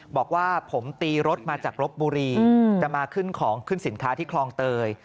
บอกว่าผมตีรถมาจากลบบุรีจะมาขึ้นของขึ้นสินค้าที่คลองเตย